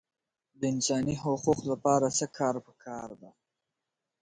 ازادي راډیو د امنیت په اړه د ولسي جرګې نظرونه شریک کړي.